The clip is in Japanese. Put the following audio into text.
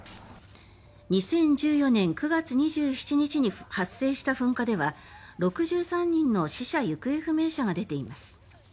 ２０１４年９月２７日に発生した噴火では６３人の死者・行方不明者が出ています。